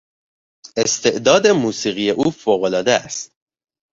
استعداد موسیقی او فوق العاده است.